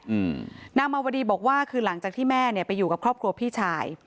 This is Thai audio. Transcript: อืมนางมาวดีบอกว่าคือหลังจากที่แม่เนี้ยไปอยู่กับครอบครัวพี่ชาย